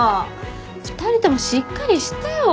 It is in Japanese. ２人ともしっかりしてよ。